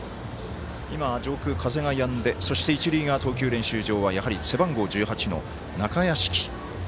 上空、風がやんで一塁側投球練習場は背番号１８の中屋敷。